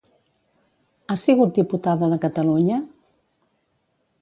Ha sigut diputada de Catalunya?